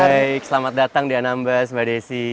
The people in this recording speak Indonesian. baik selamat datang di anambas mbak desi